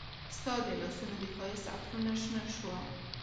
ستا د لاسونو د ښایست عطرونه شنه شوه